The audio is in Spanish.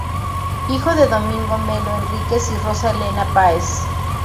Hijo de Domingo Melo Henriquez y Rosa Elena Páez.